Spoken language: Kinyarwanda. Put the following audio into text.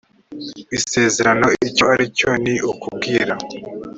isezerano icyo ari cyo ni ukubwira